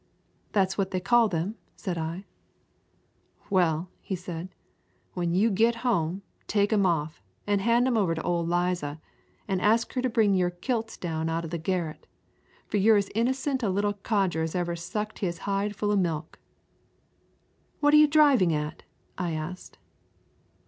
"That's what they call them," said I. "Well," said he, "when you git home, take 'em off, an' hand 'em over to old Liza, an' ask her to bring your kilts down out of the garret. For you're as innocent a little codger as ever sucked his hide full of milk." "What are you driving at?" I asked.